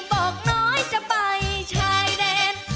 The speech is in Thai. บอกน้อยจะไปชายแดน